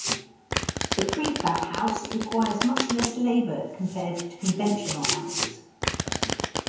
The prefab house requires much less labor compared to conventional houses.